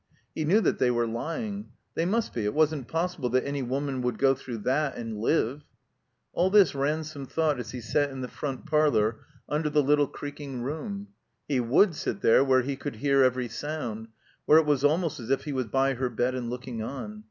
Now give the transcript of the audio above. He knew that they were lying; they must be; it wasn't possible that any woman would go through that and live. All this Ransome thought as he sat in the front parlor tmder the little creaking room. He wotdd sit there where he could hear every sound, where it was almost as if he was by her bed and looking on.